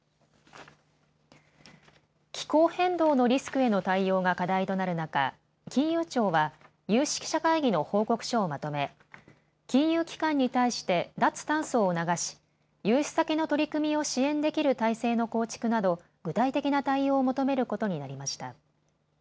気候変動のリスクへの対応が課題となる中、金融庁は有識者会議の報告書をまとめ金融機関に対して脱炭素を促し融資先の取り組みを支援できる態勢の構築など具体的な対応を求めることになりました。